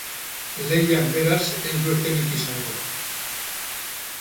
Lehiak, beraz, ez du etenik izango.